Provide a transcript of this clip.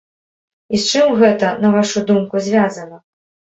І з чым гэта, на вашу думку, звязана?